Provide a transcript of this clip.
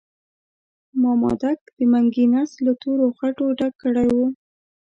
مامدک د منګي نس له تورو خټو ډک کړی وو.